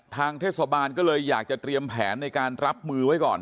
ทางเทศบาลก็เลยอยากจะเตรียมแผนในการรับมือไว้ก่อน